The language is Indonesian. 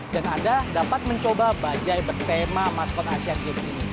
dan anda dapat mencoba bajaj bertema maskot asian games ini